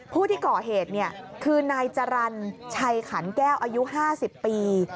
ผู้ที่ก่อเหตุคือนายจรรย์ชัยขันแก้วอายุ๕๐ปี